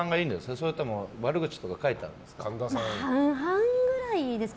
それとも悪口とか書いてあるんですか。